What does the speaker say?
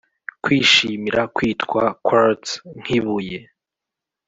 kwishimira kwitwa quartz, nkibuye.